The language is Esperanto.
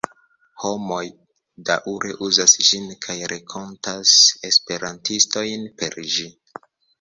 Homoj daŭre uzas ĝin kaj renkontas esperantistojn per ĝi.